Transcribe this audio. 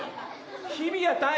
日比谷平。